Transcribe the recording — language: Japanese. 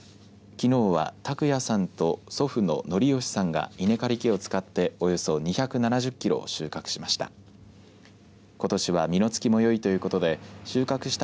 きのうは卓也さんと祖父の則義さんが稲刈り機を使っておよそ２７０キロを収穫しました。